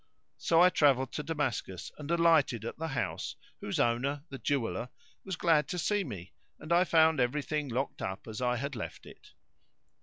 So I travelled to Damascus and alighted at the house whose owner, the jeweller, was glad to see me and I found everything locked up as I had left it.